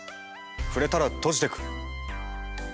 触れたら閉じてく。